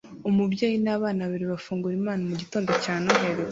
Umubyeyi nabana babiri bafungura impano mugitondo cya Noheri